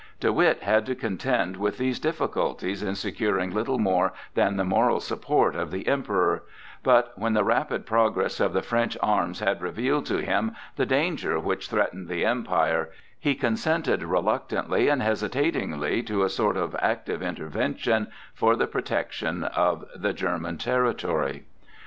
De Witt had to contend with these difficulties in securing little more than the moral support of the Emperor; but when the rapid progress of the French arms had revealed to him the danger which threatened the Empire, he consented reluctantly and hesitatingly to a sort of active intervention for the protection of the German territory.